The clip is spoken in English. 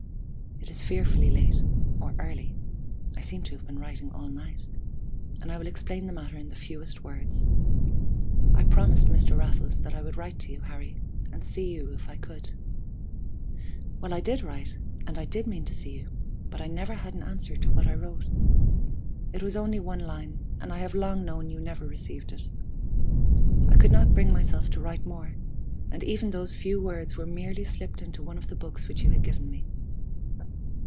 It is fearfully late or early I seem to have been writing all night and I will explain the matter in the fewest words. I promised Mr. Raffles that I would write to you, Harry, and see you if I could. Well, I did write, and I did mean to see you, but I never had an answer to what I wrote. It was only one line, and I have long known you never received it. I could not bring myself to write more, and even those few words were merely slipped into one of the books which you had given me.